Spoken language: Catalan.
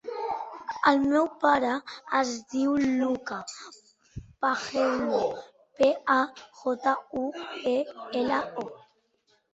El meu pare es diu Luka Pajuelo: pe, a, jota, u, e, ela, o.